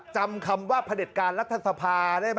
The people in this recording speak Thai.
จำคำว่าพระเด็จการรัฐสภาได้ไหม